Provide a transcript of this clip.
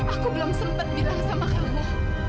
aku belum sempat bilang sama kamu